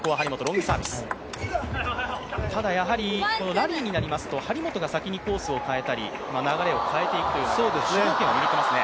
ただ、ラリーになりますと張本が先にコースを変えたり流れを変えていく主導権を握っていますね。